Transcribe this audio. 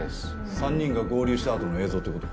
３人が合流した後の映像ってことか。